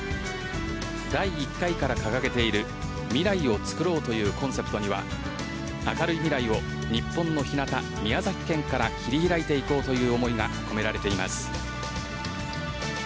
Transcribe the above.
第１回から掲げている「みらいをつくろう！」というコンセプトには明るい未来を日本のひなた・宮崎県から切り開いていこうという思いが込められています。